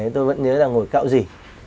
tôi vẫn nhớ là ngồi cạo gì